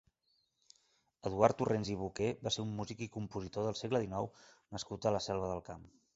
Eduard Torrents i Boqué va ser un músic i compositor del segle dinou nascut a la Selva del Camp.